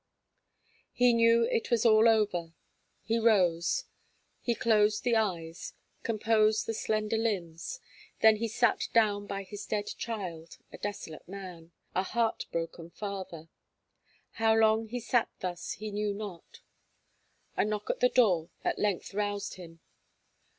He knew it was all over. He rose; he closed the eyes, composed the slender limbs, then he sat down by his dead child, a desolate man a heart broken father. How long he sat thus he knew not; a knock at the door at length roused him.